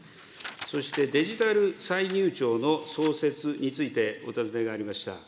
そしてデジタル歳入庁の創設についてお尋ねがありました。